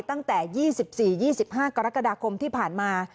ตั้งแต่๒๔๒๕กรกฎาคมที่ผ่านมา